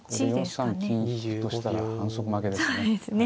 ４三金引としたら反則負けですからね。